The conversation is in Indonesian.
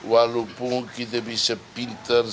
walaupun kita bisa pinter